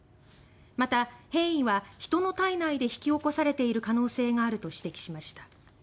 また、変異は人の体内で引き起こされている可能性があると指摘しました。